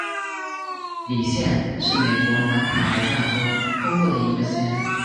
李县是美国南卡罗莱纳州东部的一个县。